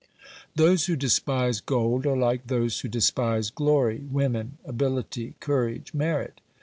Those who despise gold are like those who despise glory, women, ability, courage, merit.